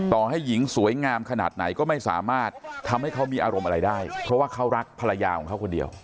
ให้หญิงสวยงามขนาดไหนก็ไม่สามารถทำให้เขามีอารมณ์อะไรได้เพราะว่าเขารักภรรยาของเขาคนเดียว